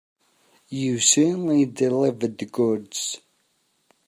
You certainly delivered the goods.